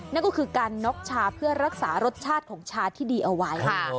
นั่นก็คือการน็อกชาเพื่อรักษารสชาติของชาที่ดีเอาไว้